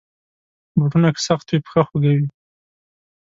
بوټونه که سخت وي، پښه خوږوي.